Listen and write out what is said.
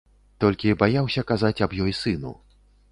Толькі баяўся казаць аб ёй сыну.